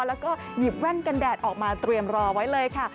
แล้วก็หยิบแว่นกันแดดออกมาเตรียมรอไว้เลยค่ะ